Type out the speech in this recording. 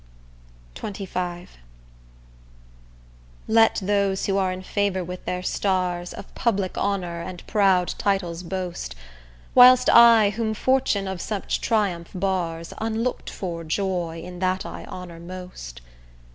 XXV Let those who are in favour with their stars Of public honour and proud titles boast, Whilst I, whom fortune of such triumph bars Unlook'd for joy in that I honour most.